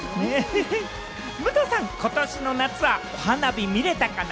武藤さん、ことしの夏は花火見れたかな？